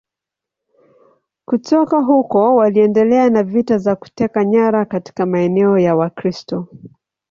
Kutoka huko waliendelea na vita za kuteka nyara katika maeneo ya Wakristo.